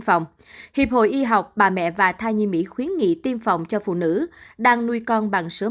phòng hiệp hội y học bà mẹ và thai nhi mỹ khuyến nghị tiêm phòng cho phụ nữ đang nuôi con bằng sữa